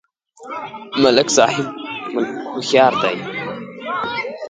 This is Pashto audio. ملک صاحب هوښیار دی.